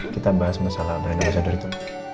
kita bahas masalah rena basadar itu